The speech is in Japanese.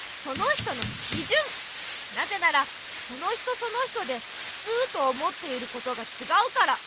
なぜならその人その人でふつうと思っていることがちがうから。